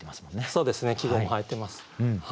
そうですね季語も入ってます。